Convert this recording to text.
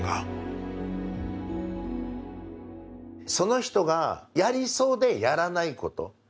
その人がやりそうでやらないこと。